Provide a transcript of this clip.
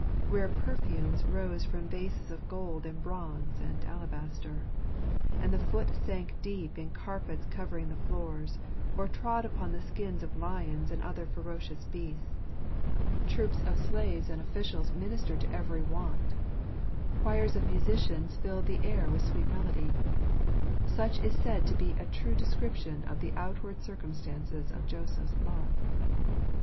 Rare perfumes rose from vases of gold and bronze and alabaster j and the foot sank deep in carpets covering the floors, or trod upon the skins of lions and other ferocious beasts. Troops of slaves and officials 80 Joseph'* JFtrat Itttgrbtchi toritfr IS is grctljreit. ministered to every want. Choirs of musicians filled the air with sweet melody. Such is said to be a true descrip tion of the outward circumstances of Joseph's lot.